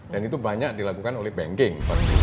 dan itu banyak dilakukan oleh banking